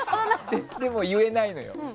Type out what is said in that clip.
でも、言えないのよ。